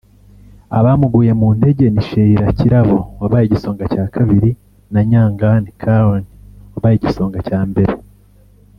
Abamuguye mu ntege ni Sheila Kirabo wabaye igisonga cya kabiri na Nyangan Karen wabaye igisonga cya mbere